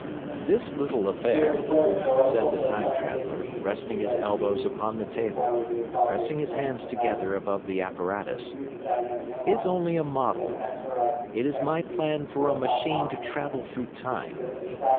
"This little affair," said the Time Traveller, resting his elbows upon the table and pressing his hands together above the apparatus, "is only a model. It is my plan for a machine to travel through time.